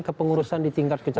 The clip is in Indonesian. kepengurusan di tingkat kecamatan